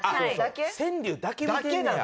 川柳だけ見てんねや。